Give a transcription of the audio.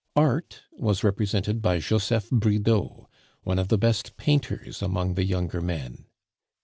Art was represented by Joseph Bridau, one of the best painters among the younger men.